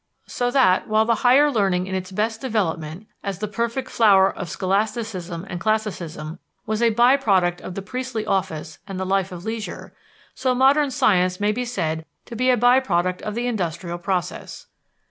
So that while the higher learning in its best development, as the perfect flower of scholasticism and classicism, was a by product of the priestly office and the life of leisure, so modern science may be said to be a by product of the industrial process.